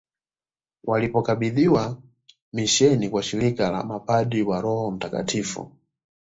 Walipokabidhi misheni kwa shirika la mapadri wa Roho mtakatifu